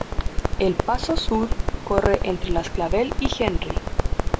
El paso Sur corre entre las Clavel y Henry.